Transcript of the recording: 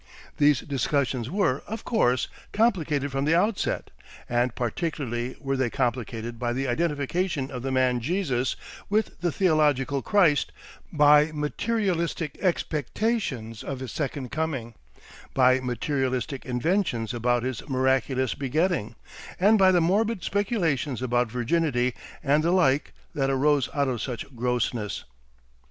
These discussions were, of course, complicated from the outset; and particularly were they complicated by the identification of the man Jesus with the theological Christ, by materialistic expectations of his second coming, by materialistic inventions about his "miraculous" begetting, and by the morbid speculations about virginity and the like that arose out of such grossness.